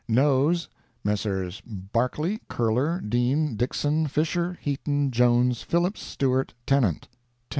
NOES Messrs. Barclay, Curler, Dean, Dixson, Fisher, Heaton, Jones, Phillips, Stewart, Tennant—10.